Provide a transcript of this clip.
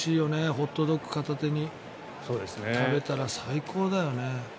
ホットドッグ片手に食べたら最高だよね。